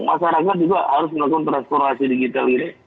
masyarakat juga harus melakukan transformasi digital ini